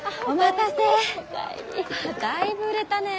たいぶ売れたね。